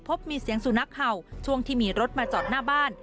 พบมีเสียงสุนัขเห่าช่วงที่มีรถมาจอดหน้าบ้าน